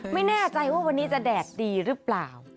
ไม่แน่ใจว่าวันนี้จะแดดดีหรือเปล่า